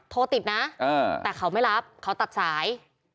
โทรติดนะแต่เขาไม่รับเขาตัดสาย